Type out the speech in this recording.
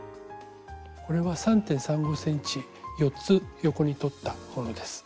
これは３．３５ｃｍ４つ横に取ったものです。